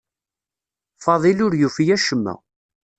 Faḍil ur yufi acemma.